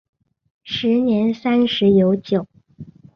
时年三十有九。